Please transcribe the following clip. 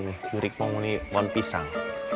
mirip penghuni buang pisang